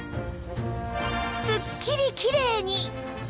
すっきりきれいに